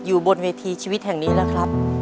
อยู่บนเวทีชีวิตแห่งนี้แล้วครับ